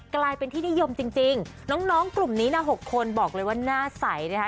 กลายเป็นที่นิยมจริงน้องกลุ่มนี้นะ๖คนบอกเลยว่าหน้าใสนะคะ